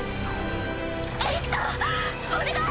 エリクトお願い